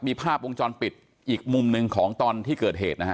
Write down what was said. มีภาพวงจรปิดอีกมุมหนึ่งของตอนที่เกิดเหตุนะฮะ